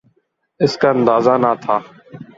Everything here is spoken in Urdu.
اس کا اندازہ نہ تھا۔